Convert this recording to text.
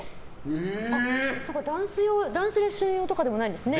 ダンスレッスン用とかでもないんですね。